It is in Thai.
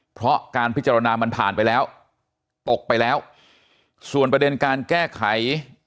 เพราะการพิจารณามันผ่านไปแล้วตกไปแล้วส่วนประเด็นการแก้ไข